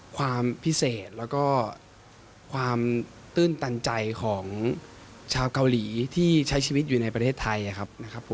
ความพิเศษแล้วก็ความตื้นตันใจของชาวเกาหลีที่ใช้ชีวิตอยู่ในประเทศไทยครับนะครับผม